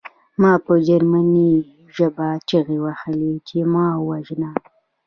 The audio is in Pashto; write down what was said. ما په جرمني ژبه چیغې وهلې چې ما ووژنه